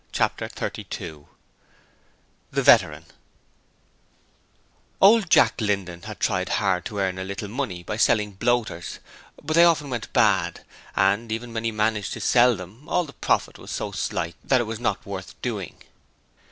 Chapter 32 The Veteran Old Jack Linden had tried hard to earn a little money by selling bloaters, but they often went bad, and even when he managed to sell them all the profit was so slight that it was not worth doing.